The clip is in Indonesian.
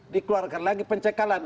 dikeluarkan lagi pencekalan